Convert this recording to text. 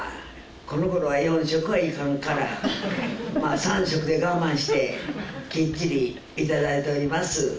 このごろは４食はいかんからまあ３食で我慢してきっちりいただいております